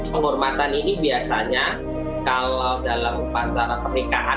penghormatan ini biasanya kalau dalam upacara pernikahan